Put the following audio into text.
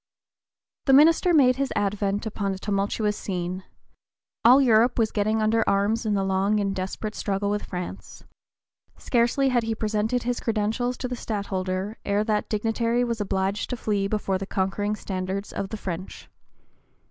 The minister made his advent upon a tumultuous scene. All Europe was getting under arms in the long and desperate struggle with France. Scarcely had he presented his credentials to the Stadtholder ere that dignitary was obliged to flee before the conquering standards of the French.